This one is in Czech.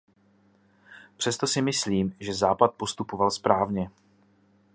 Přesto si myslím, že Západ postupoval správně.